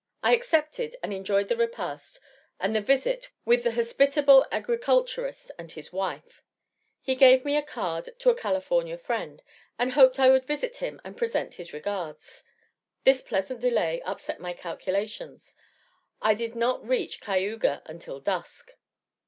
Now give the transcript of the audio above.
I accepted, and enjoyed the repast and the visit with the hospitable agriculturist and his wife. He gave me a card to a California friend, and hoped I would visit him and present his regards. This pleasant delay upset my calculations; I did not reach Cayuga until dusk.